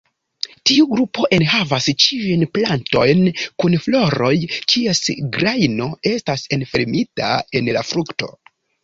Tiu grupo enhavas ĉiujn plantojn kun floroj kies grajno estas enfermita en la frukto.